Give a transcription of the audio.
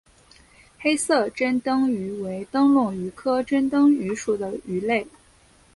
黑色珍灯鱼为灯笼鱼科珍灯鱼属的鱼类。